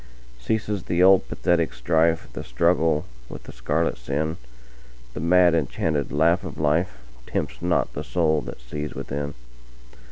Ceases the old pathetic strife, The struggle with the scarlet sin:The mad enchanted laugh of lifeTempts not the soul that sees within.